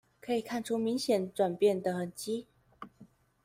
可以看出明顯轉變的痕跡